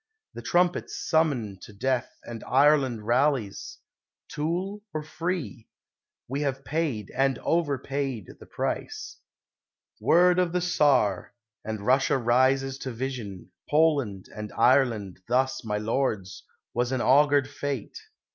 The trumpets summon to death, and Ireland rallies Tool or free? We have paid, and over paid, the price. Word of the Tsar! And Russia rises to vision, Poland and Ireland thus, my lords, was an augured fate.